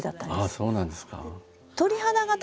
ああそうなんですか。